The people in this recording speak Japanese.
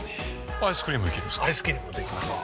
アイスクリームもできます。